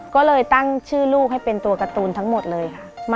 ก็เลยตั้งชื่อลูกให้เป็นตัวการ์ตูนทั้งหมดเลยค่ะ